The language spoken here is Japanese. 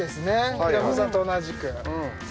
平子さんと同じくさ